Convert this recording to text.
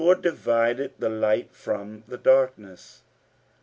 And He divided the light from the darkness."